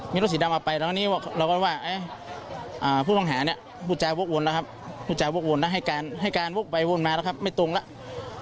มีรถสีดำออกไปแล้วเราก็ว่าผู้ท่องหาเนี่ยผู้จ่ายโว้งวนแล้วครับผู้จ่ายโว้งวนแล้วให้การโว้งไปโว้งมาแล้วครับไม่ตรงแล้ว